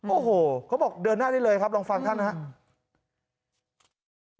โอ้โหเขาบอกเดินหน้าได้เลยครับลองฟังท่านนะครับ